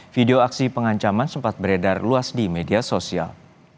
video aksi pengancaman sempat beredar luas di media sosial